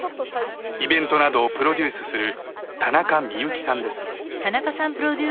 イベントなどをプロデュースする田中みゆきさんです。